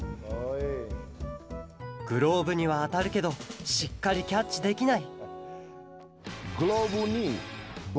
グローブにはあたるけどしっかりキャッチできない